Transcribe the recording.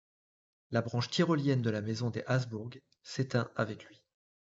La branche tyrolienne de la maison des Habsbourg s'éteint avec lui.